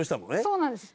そうなんです。